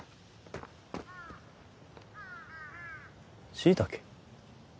しいたけ？